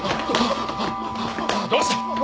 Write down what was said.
どうした！？